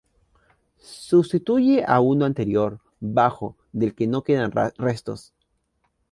Sustituye a uno anterior, bajo, del que no quedan restos.